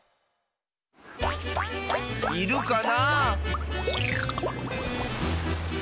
いるかなあ？